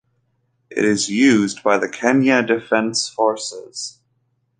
It is used by the Kenya defense forces.